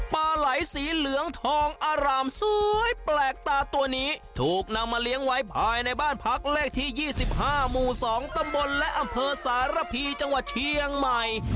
ปลาไหลสีเหลืองทองอารามสวยแปลกตาตัวนี้ถูกนำมาเลี้ยงไว้ภายในบ้านพักเลขที่๒๕หมู่๒ตำบลและอำเภอสารพีจังหวัดเชียงใหม่